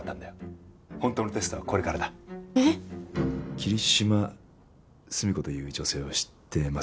霧島澄子という女性は知ってますか？